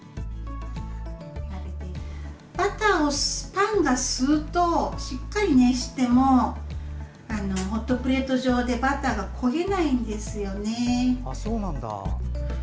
バターをパンが吸うとしっかり熱してもホットプレート上でバターが焦げないんですよね。